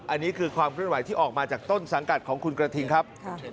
อันนี้คือความเคลื่อนไหวที่ออกมาจากต้นสังกัดของคุณกระทิงครับ